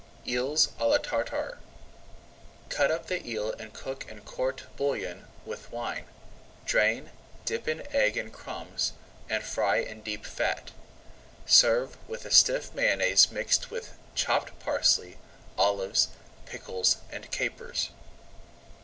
EELS À LA TARTAR Cut up the eel and cook in court bouillon with wine. Drain, dip in egg and crumbs, and fry in deep fat. Serve with a stiff Mayonnaise mixed with chopped parsley, olives, pickles, and capers.